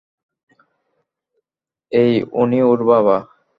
এই, উনি ওর বাবা।